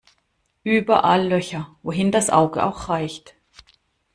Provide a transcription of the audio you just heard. Überall Löcher, wohin das Auge auch reicht.